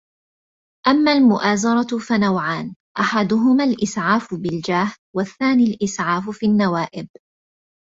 أَمَّا الْمُؤَازَرَةُ فَنَوْعَانِ أَحَدُهُمَا الْإِسْعَافُ بِالْجَاهِ ، وَالثَّانِي الْإِسْعَافُ فِي النَّوَائِبِ